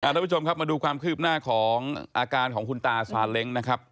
ทุกผู้ชมครับมาดูความคืบหน้าของอาการของคุณตาซาเล้งนะครับ